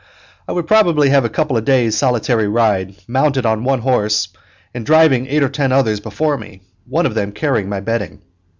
I would probably have a couple of days' solitary ride, mounted on one horse and driving eight or ten others before me, one of them carrying my bedding.